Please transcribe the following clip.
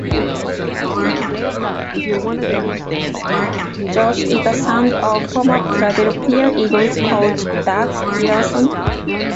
Josh is the son of former Philadelphia Eagles coach Doug Pederson.